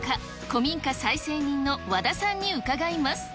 古民家再生人の和田さんに伺います。